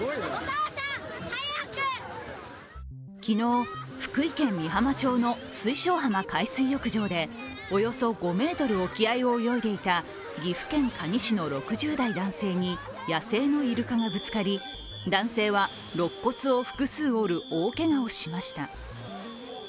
昨日、福井県美浜町の水晶浜海水浴場でおよそ５ｍ沖合を泳いでいた岐阜県可児市の６０代男性に野生のイルカがぶつかり、男性はろっ骨を複数折る大けがをしました。